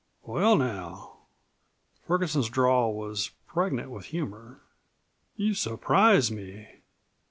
"Well, now." Ferguson's drawl was pregnant with humor. "You surprise me.